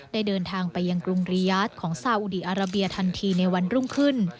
เดินทางไปยังกรุงริยาทของซาอุดีอาราเบียทันทีในวันรุ่งขึ้น